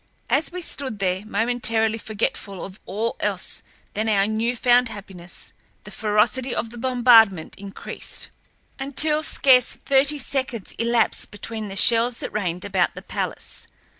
As we stood there, momentarily forgetful of all else than our new found happiness, the ferocity of the bombardment increased until scarce thirty seconds elapsed between the shells that rained about the palace.